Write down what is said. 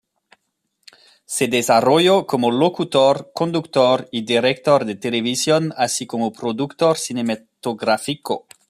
Se desarrolló como locutor, conductor y director de televisión así como productor cinematográfico.